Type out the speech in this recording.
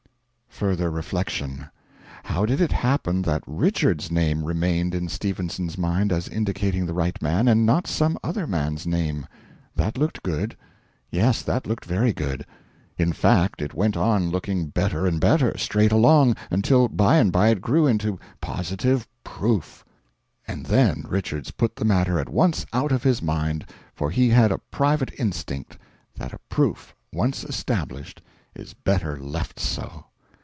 Further reflection. How did it happen that RICHARDS'S name remained in Stephenson's mind as indicating the right man, and not some other man's name? That looked good. Yes, that looked very good. In fact it went on looking better and better, straight along until by and by it grew into positive PROOF. And then Richards put the matter at once out of his mind, for he had a private instinct that a proof once established is better left so.